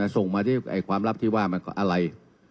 ส่งมาที่ความลับที่ว่ามันก็อะไร